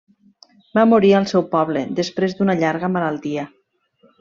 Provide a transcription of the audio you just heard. Va morir al seu poble després d'una llarga malaltia.